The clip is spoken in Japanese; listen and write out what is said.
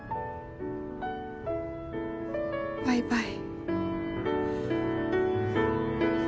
バイバイ